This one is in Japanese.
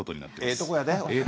ええとこやで。